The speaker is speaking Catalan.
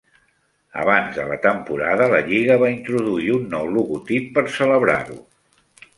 Abans de la temporada, la lliga va introduir un nou logotip per celebrar-ho.